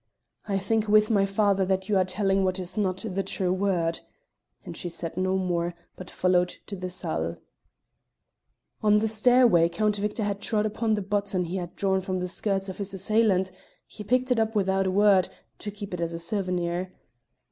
"I think with my father that you are telling what is not the true word," and she said no more, but followed to the salle. On the stairway Count Victor had trod upon the button he had drawn from the skirts of his assailant; he picked it up without a word, to keep it as a souvenir.